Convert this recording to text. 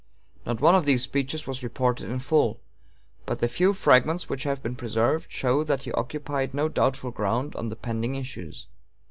Not one of these speeches was reported in full, but the few fragments which have been preserved show that he occupied no doubtful ground on the pending issues.